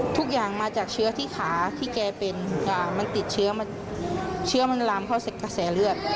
ทุกอย่างมาจากเชื้อที่ขาที่แกเป็นมันติดเชื้อมันลามเข้ากระแสเลือด